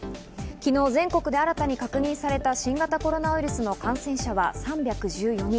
昨日全国で新たに確認された新型コロナウイルスの感染者は３１４人。